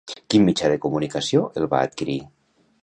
Quin mitjà de comunicació el va adquirir?